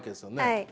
はい。